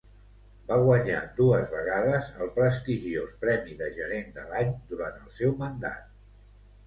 Va guanyar dues vegades el prestigiós premi de Gerent de l'Any durant el seu mandat.